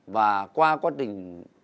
và qua quá trình